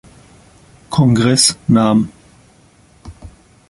Kongress nahm.